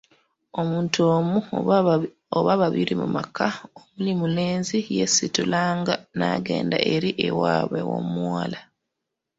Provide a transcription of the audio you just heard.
Omuntu omu oba babiri mu maka omuli omulenzi yeesitulanga n'agenda eri ewaabwe w'omuwala.